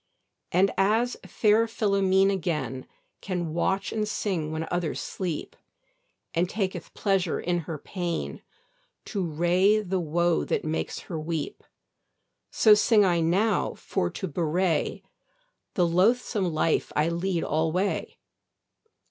And as fair Philomene again Can watch and sing when others sleep; And taketh pleasure in her pain, To wray the woe that makes her weep; So sing I now for to bewray The loathsome life I lead alway.